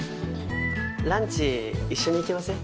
ランチ一緒に行きません？